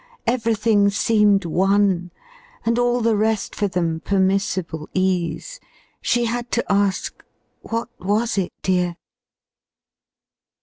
Everything seemed won, And all the rest for them permissible ease. She had to ask, "What was it, dear?"